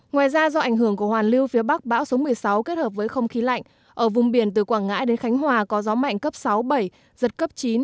ngoài ra do ảnh hưởng của hoàn lưu phía bắc bão số một mươi sáu kết hợp với không khí lạnh ở vùng biển từ quảng ngãi đến khánh hòa có gió mạnh cấp sáu bảy giật cấp chín